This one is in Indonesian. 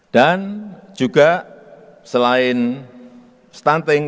dan juga selain stunting